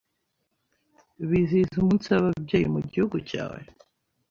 Bizihiza umunsi w'ababyeyi mu gihugu cyawe?